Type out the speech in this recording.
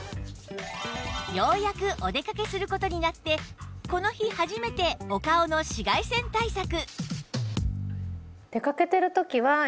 ようやくお出かけする事になってこの日初めてお顔の紫外線対策